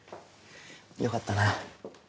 よかったな。